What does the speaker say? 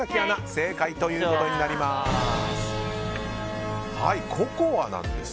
正解ということになります。